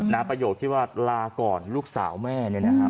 นาประโยชน์ที่ว่าลาก่อนลูกสาวแม่เนี้ยนะคะ